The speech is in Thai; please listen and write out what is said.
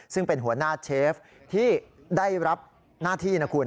ซึ่งเป็นหัวหน้าเชฟที่ได้รับหน้าที่นะคุณ